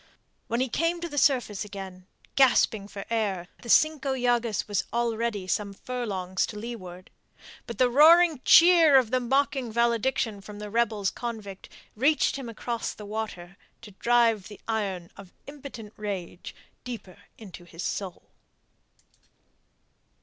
When he came to the surface again, gasping for air, the Cinco Llagas was already some furlongs to leeward. But the roaring cheer of mocking valediction from the rebels convict reached him across the water, to drive the iron of impotent rage deeper into his soul.